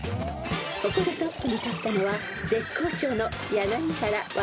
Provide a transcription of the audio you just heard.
［ここでトップに立ったのは絶好調の柳原・若槻ペア］